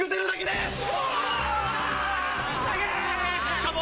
しかも。